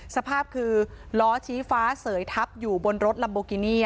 สภาพคือล้อชี้ฟ้าเสยทับอยู่บนรถลัมโบกินี่